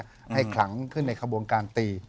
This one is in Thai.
แล้วให้หังขึ้นในขบวงการตี